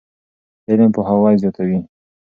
علم پوهاوی زیاتوي.